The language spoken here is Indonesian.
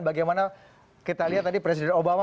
bagaimana kita lihat tadi presiden obama